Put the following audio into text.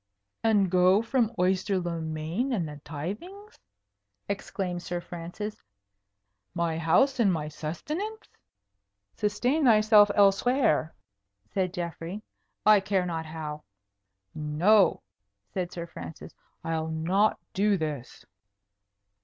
"And go from Oyster le Main and the tithings?" exclaimed Sir Francis. "My house and my sustenance?" "Sustain thyself elsewhere," said Geoffrey; "I care not how." "No!" said Sir Francis. "I'll not do this."